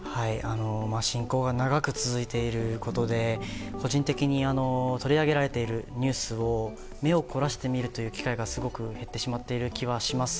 侵攻が長く続いていることで個人的に取り上げられているニュースを目を凝らしてみるという機会がすごく減っている気がします。